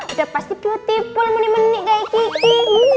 udah pasti putih pun menik menik kayak kiki